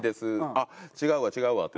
あっ違うわ違うわって。